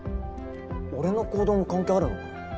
俺の行動も関係あるのか？